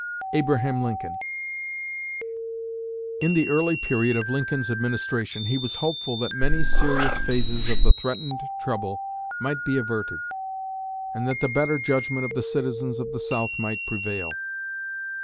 ABRAHAM LINCOLN. In the early period of Lincoln's administration he was hopeful that many serious phases of the threatened trouble might be averted, and that the better judgment of the citizens of the South might prevail.